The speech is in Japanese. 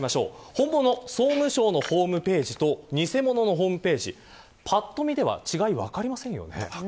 本物の総務省のホームページと偽物のホームページぱっと見では違い分かりませんよね。